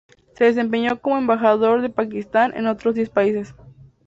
Se desempeñó como embajador de Pakistán en otros diez países.